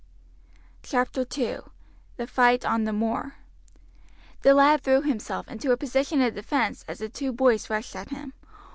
CHAPTER II: THE FIGHT ON THE MOOR The lad threw himself into a position of defense as the two boys rushed at him.